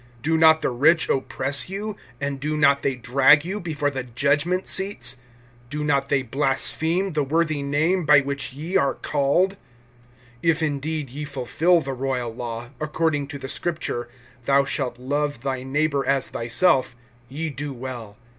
Do not the rich oppress you, and do not they drag you before the judgment seats? (7)Do not they blaspheme the worthy name by which ye are called? (8)If indeed ye fulfill the royal law, according to the scripture, Thou shalt love thy neighbor as thyself, ye do well.